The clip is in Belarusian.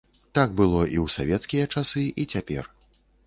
Так было і ў савецкія часы, і цяпер.